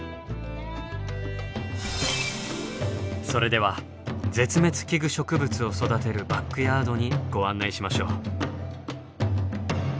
それでは絶滅危惧植物を育てるバックヤードにご案内しましょう。